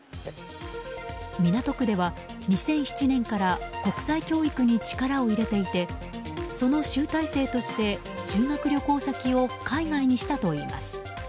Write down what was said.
港区では２００７年から国際教育に力を入れていてその集大成として修学旅行先を海外にしたといいます。